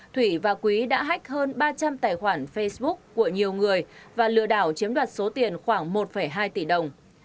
thủy và quý đã hách hơn ba trăm linh tài khoản facebook của nhiều người và lừa đảo chiếm đoạt số tiền khoảng một hai tỷ đồng